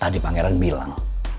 tadi pangeran bilang